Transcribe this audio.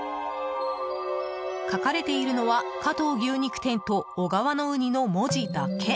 書かれているのは「加藤牛肉店」と「小川のうに」の文字だけ。